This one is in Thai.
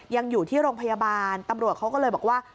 ยังอยู่ที่โรงพยาบาลตำรวจเขาก็เลยบอกว่า